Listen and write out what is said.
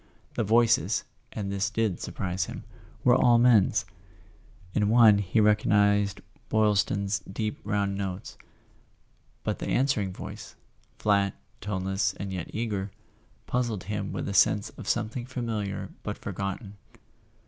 The voices (and this did surprise him) were all men's. In one he recognized Boy Is ton's deep round notes; but the answering voice, flat, toneless and yet eager, puzzled him with a sense of something familiar but forgotten.